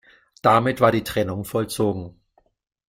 Damit war die Trennung vollzogen.